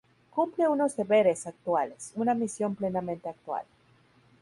Cumple unos deberes actuales, una misión plenamente actual.